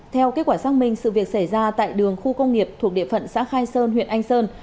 theo kết quả xác minh sự việc xảy ra tại đường khu công nghiệp thuộc địa phận xã khai sơn huyện anh sơn